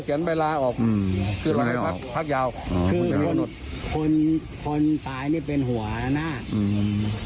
ใช่ถูกต้องครับเป็นสายตรวจ